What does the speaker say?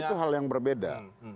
itu hal yang berbeda